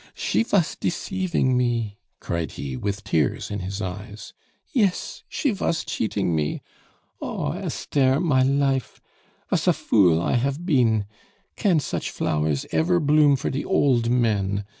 "She vas deceiving me!" cried he, with tears in his eyes. "Yes, she vas cheating me. Oh, Esther, my life! Vas a fool hafe I been! Can such flowers ever bloom for de old men!